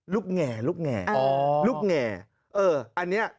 ลูกแง่ลูกแง่อ๋อลูกแง่เอิ่มอันนี้อ่ะ